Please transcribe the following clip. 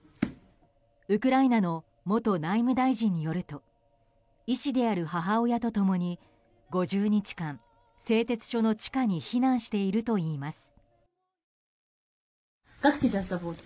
ウクライナの元内務大臣によると医師である母親と共に５０日間、製鉄所の地下に避難しているといいます。